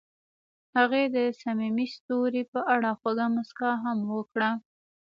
هغې د صمیمي ستوري په اړه خوږه موسکا هم وکړه.